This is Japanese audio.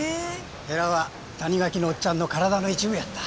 へらは谷垣のおっちゃんの体の一部やった。